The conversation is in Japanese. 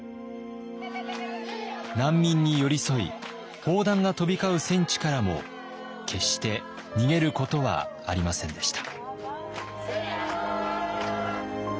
難民に寄り添い砲弾が飛び交う戦地からも決して逃げることはありませんでした。